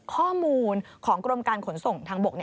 ข้อมูลของกรมการขนส่งทางบก